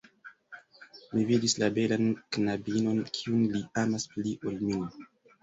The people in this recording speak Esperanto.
Mi vidis la belan knabinon, kiun li amas pli ol min!